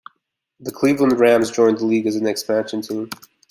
The Cleveland Rams joined the league as an expansion team.